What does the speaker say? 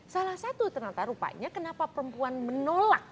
salah satu ternyata rupanya kenapa perempuan menolak